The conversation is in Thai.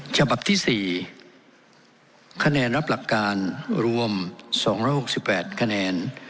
ฉบับที่๔คะแนนรับหลักการรวม๒๖๘คะแนน